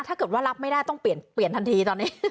ถ้าเกิดว่ารับไม่ได้ต้องเปลี่ยนทันทีตอนนี้